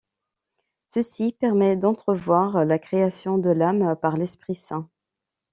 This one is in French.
Ceci permet d'entrevoir la création de l'âme par l'Esprit-saint.